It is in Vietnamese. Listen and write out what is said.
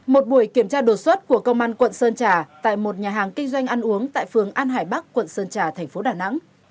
một buổi kiểm tra đột xuất của công an quận sơn trà tại một nhà hàng kinh doanh ăn uống tại phường an hải bắc quận sơn trà thành phố đà nẵng